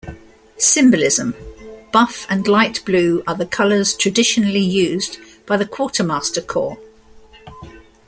Symbolism: Buff and light blue are the colors traditionally used by the Quartermaster Corps.